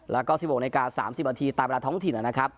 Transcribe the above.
แล้วก็๑๖นาที๓๐นาทีตามเวลาท้องถิ่นนะครับ